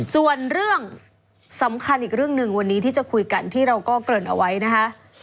ส่วนเรื่องสำคัญอีกเรื่องหนึ่งวันนี้ที่จะคุยกันที่เราก็เกริ่นเอาไว้นะคะ